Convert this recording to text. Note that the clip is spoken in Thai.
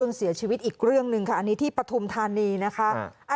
เรื่องเสียชีวิตอีกเรื่องนึงอันนี้ที่ประธุมธานีนะฮะ